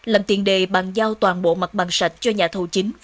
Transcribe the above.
làm tiền đề bàn giao toàn bộ mặt bằng sạch cho nhà thầu chính